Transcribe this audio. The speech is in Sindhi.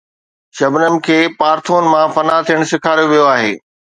شبنم کي پارٿور مان فنا ٿيڻ سيکاريو ويو آهي